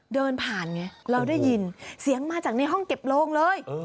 เดินผ่านไงเราได้ยินเสียงมาจากในห้องเก็บโรงเลย